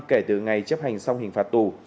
kể từ ngày chấp hành xong hình phạt tù